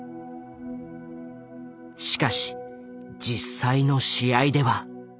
しかし実際の試合では。